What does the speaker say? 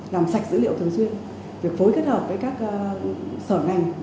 làm sạch dữ liệu thường xuyên việc phối kết hợp với các sở ngành